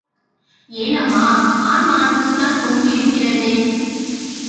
ஏனம்மா ஆண் மானுக்குத்தான் கொம்பு இருக்கிறதே!